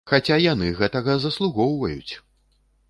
Хаця яны гэтага заслугоўваюць!